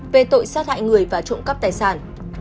về tội sát hại người và trộm cắp tài sản